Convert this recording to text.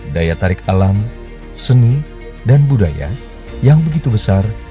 daya tarik alam seni dan budaya yang begitu besar